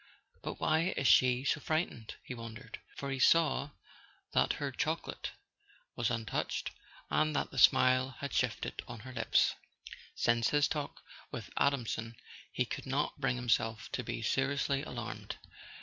But why is she so frightened?" he wondered. For he saw that her choco [ 99 ] A SON AT THE FRONT late was untouched, and that the smile had stiffened on her lips. Since his talk with Adamson he could not bring himself to be seriously alarmed.